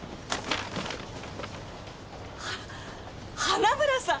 花村さん！